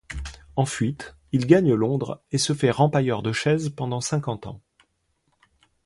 En fuite, il gagne Londres et se fait rempailleur de chaises pendant cinquante ans.